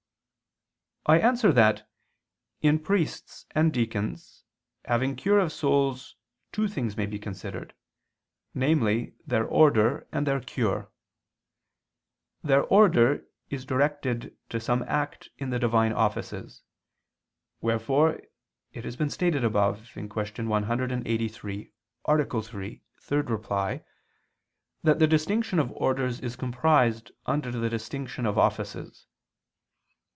I answer that, In priests and deacons having cure of souls two things may be considered, namely their order and their cure. Their order is directed to some act in the Divine offices. Wherefore it has been stated above (Q. 183, A. 3, ad 3) that the distinction of orders is comprised under the distinction of offices.